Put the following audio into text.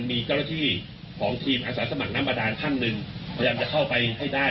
มีเจ้าหน้าที่ของทีมอาสาสมัครน้ำบาดานท่านหนึ่งพยายามจะเข้าไปให้ได้